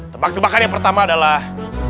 tembak tembakan yang pertama adalah